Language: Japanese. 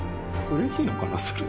うれしいのかな、それ。